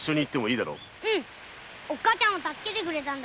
お母ちゃんを助けてくれたんだ。